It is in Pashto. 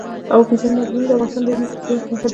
اوبزین معدنونه د افغانستان د ځمکې د جوړښت نښه ده.